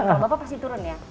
kalau bapak pasti turun ya